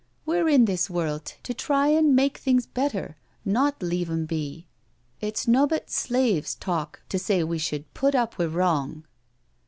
We're in this world to try an' make things better, not leave 'em be; it's nobbut slaves talk to say we should put up wi' wrong."